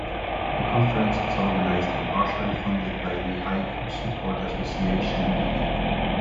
The conference is organized and partially funded by the Haiku Support Association e.V.